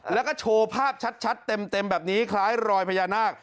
แล้วก็โชว์ภาพชัดเต็มแบบนี้คล้ายรอยพญานาค